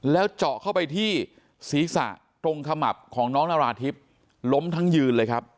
แล้วเจาะเข้าไปที่ศีรษะตรงขมับของน้องนาราธิบล้มทั้งยืนเลยครับ